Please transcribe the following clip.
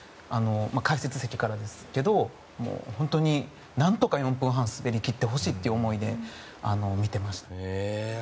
解説席からですけど何とか４分半滑り切ってほしいという思いで見てました。